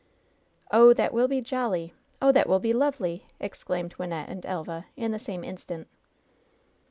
"Oh, that will be jolly I" "Oh, that will be lovely 1" exclaimed Wynnette and Elva, in the same instant.